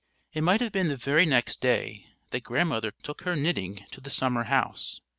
It might have been the very next day that Grandmother took her knitting to the summer house.